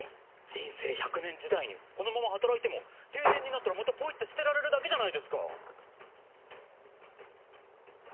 人生１００年時代にこのまま働いても定年になったらまたポイって捨てられるだけじゃないですか。